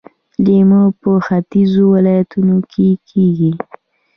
لیمو په ختیځو ولایتونو کې کیږي.